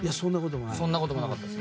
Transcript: そんなこともなかったです。